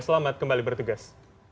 selamat kembali bertugas